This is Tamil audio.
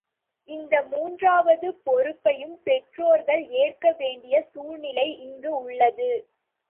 இந்த மூன்றாவது பொறுப்பையும் பெற்றோர்கள் ஏற்க வேண்டிய சூழ்நிலை இங்கு உள்ளது.